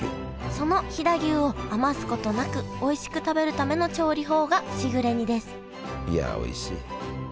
その飛騨牛を余すことなくおいしく食べるための調理法がしぐれ煮ですいやおいしい。